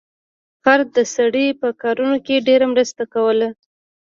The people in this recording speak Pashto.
خر د سړي په کارونو کې ډیره مرسته کوله.